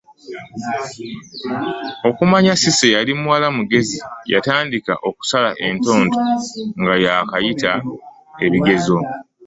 Okumanya Cisy yali muwala mugezi yatandika okusala entonto nga yakayita ebigezo.